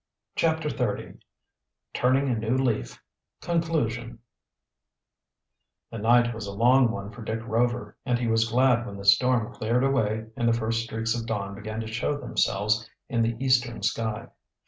CHAPTER XXX TURNING A NEW LEAF CONCLUSION The night was a long one for Dick Rover and he was glad when the storm cleared away and the first streaks of dawn began to show themselves in the eastern sky.